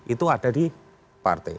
itu ada di partai